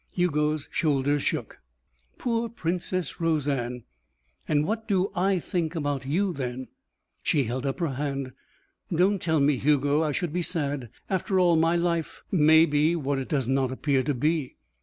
Hugo's shoulders shook. "Poor Princess Roseanne. And what do I think about you, then " She held up her hand. "Don't tell me, Hugo. I should be sad. After all, my life " "May be what it does not appear to be."